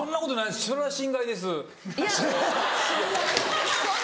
それは心外です。